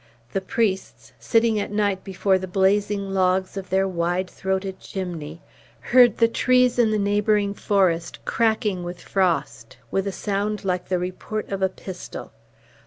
The priests, sitting at night before the blazing logs of their wide throated chimney, heard the trees in the neighboring forest cracking with frost, with a sound like the report of a pistol.